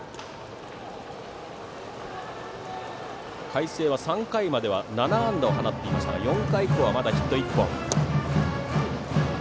海星は３回までは７安打を放っていましたが４回以降はまだヒット１本。